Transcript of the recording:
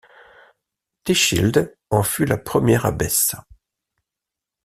Techilde en fut la première abbesse.